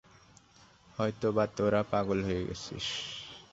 নয়তো বা তোরা সব পাগল হয়ে গেছিস!